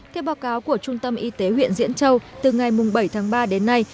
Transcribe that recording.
theo báo cáo của trung tâm y tế huyện diễn châu từ ngày bảy tháng ba đến nay